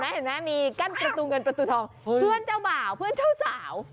เห็นไหมมีกั้นประตูเงินประตูทองเพื่อนเจ้าบ่าวเพื่อนเจ้าสาว